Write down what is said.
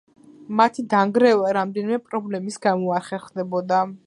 მათი დანერგვა რამდენიმე პრობლემის გამო არ ხერხდებოდა.